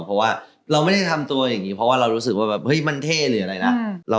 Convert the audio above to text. เพราะว่าเราไม่ได้ทำตัวอย่างนี้เพราะว่าเรารู้สึกว่าแบบเฮ้ยมันเท่หรืออะไรนะ